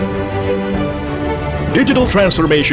menjadi negara yang berpengaruh